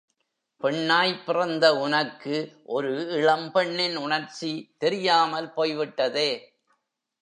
பெண்ணாய் பிறந்த உனக்கு ஒரு இளம் பெண்ணின் உணர்ச்சி தெரியாமல் போய்விட்டதே!